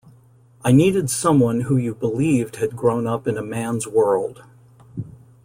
I needed someone who you believed had grown up in a man's world.